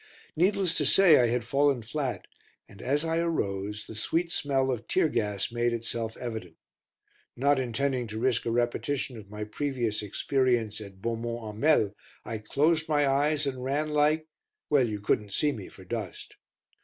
Needless to say I had fallen flat, and, as I arose, the sweet smell of tear gas made itself evident. Not intending to risk a repetition of my previous experience at Beaumont Hamel, I closed my eyes and ran like well, you couldn't see me for dust.